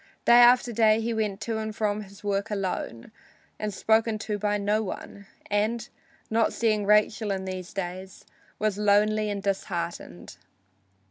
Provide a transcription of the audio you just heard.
Day after day he went to and from his work alone and spoken to by none, and, not seeing Rachel in these days, was lonely and disheartened.